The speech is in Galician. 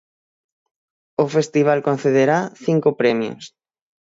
O festival concederá cinco premios.